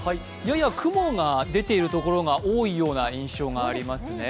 やや雲が出ているところが多いような印象がありますね。